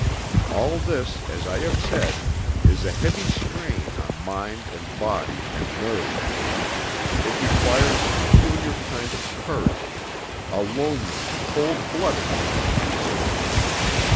All this, as I have said, is a heavy strain on mind and body and nerve. It requires a peculiar kind of courage, a lonely, cold blooded kind of courage.